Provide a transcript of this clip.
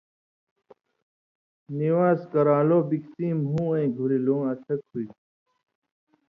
نِوان٘ز کران٘لو بِکسی مھُوں وَیں گھُریۡ لُوں اڅھک ہُوئ تھُو۔